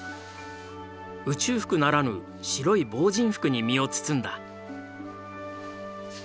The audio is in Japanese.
宇宙服ならぬ白い防じん服に身を包んだ。